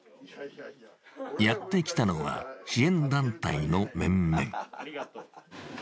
やって来たのは支援団体の面々。